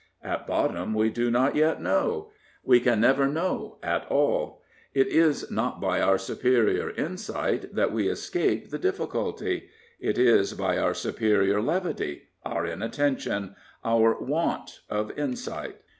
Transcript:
At bottom, we do not yet know; we can never know at all. It is not by our superior insight that we escape the dilBQ culty; it is by our superior levity, our inattention, our want of insight.